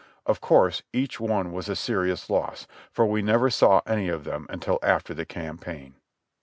Of course each one was a serious loss, for we never saw any of them until after the campaign.